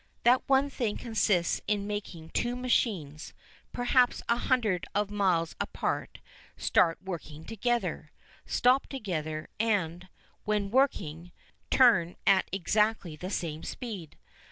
That one thing consists in making two machines, perhaps hundreds of miles apart, start working together, stop together and, when working, turn at exactly the same speed.